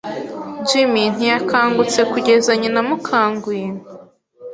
Jim ntiyakangutse kugeza nyina amukanguye.